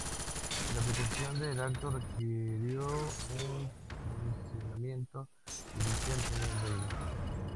La aplicación del acto requirió un funcionamiento judicial en el reino.